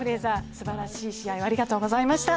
すばらしい試合をありがとうございました。